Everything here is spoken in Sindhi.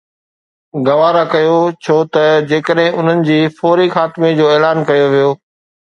گوارا ڪيو ڇو ته جيڪڏهن انهن جي فوري خاتمي جو اعلان ڪيو ويو